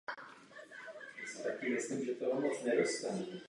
Jeho doly disponovaly vlastní železniční vlečkou.